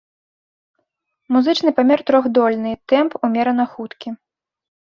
Музычны памер трохдольны, тэмп умерана хуткі.